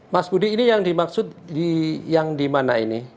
mas budi ini yang dimaksud yang dimana ini